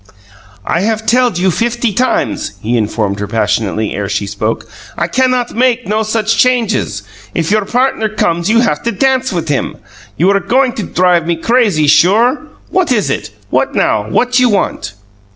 "I have telled you fifty times," he informed her passionately ere she spoke, "I cannot make no such changes. If your partner comes you have to dance with him. You are going to drive me crazy, sure! What is it? What now? What you want?"